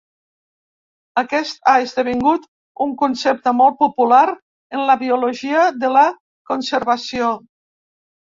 Aquest ha esdevingut un concepte molt popular en la biologia de la conservació.